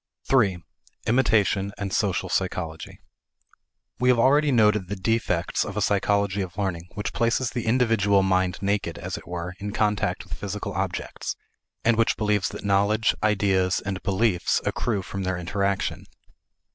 3. Imitation and Social Psychology. We have already noted the defects of a psychology of learning which places the individual mind naked, as it were, in contact with physical objects, and which believes that knowledge, ideas, and beliefs accrue from their interaction.